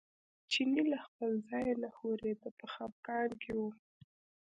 چینی له خپل ځایه نه ښورېده په خپګان کې و.